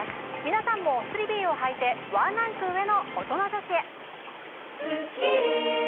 皆さんもスリビーをはいてワンランク上のオトナ女子へ！